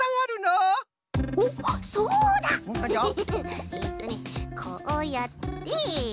えっとねこうやって。